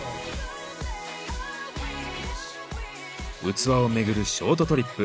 器をめぐるショートトリップ。